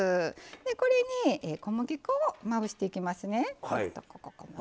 これに小麦粉をまぶしていきますね。